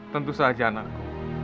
tentu saja anakku